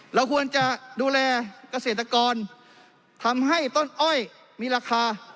เราควรจะดูแลเกษตรกรทำให้ต้นอ้อยมีราคา